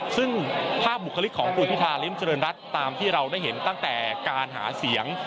ซึ่งภาพบุคลิกของคุณพิธาริมเจริญรัฐตามที่เราได้เห็นตั้งแต่การหาเสียง